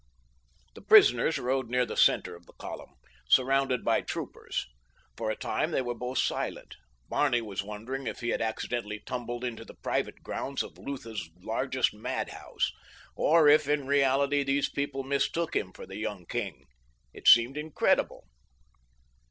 The prisoners rode near the center of the column, surrounded by troopers. For a time they were both silent. Barney was wondering if he had accidentally tumbled into the private grounds of Lutha's largest madhouse, or if, in reality, these people mistook him for the young king—it seemed incredible.